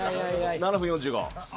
７分４５。